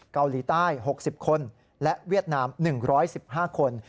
เกาหลีใต้๖๐คนและเวียดนาม๑๑๕คน